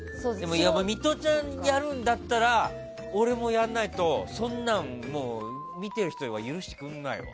ミトちゃんがやるんだったら俺もやらないとそんなの見ている人は許してくれないよ。